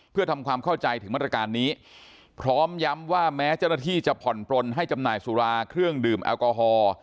เพื่อทำความเข้าใจถึงมาตรการนี้พร้อมย้ำว่าแม้เจ้าหน้าที่จะผ่อนปลนให้จำหน่ายสุราเครื่องดื่มแอลกอฮอล์